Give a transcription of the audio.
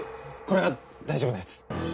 これは大丈夫なやつ。